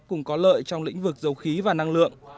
cùng có lợi trong lĩnh vực dầu khí và năng lượng